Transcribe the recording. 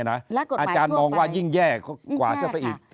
อาจารย์มองว่ายิ่งแย่กว่าเข้าไปอีก